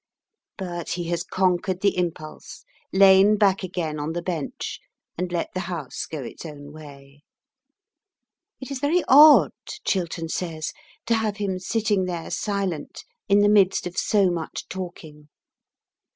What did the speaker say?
But he has conquered the impulse, lain back again on the bench, and let the House go its own way. It is very odd, Chiltern says, to have him sitting there silent in the midst of so much talking.